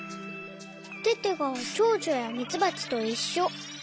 テテがチョウチョやミツバチといっしょ。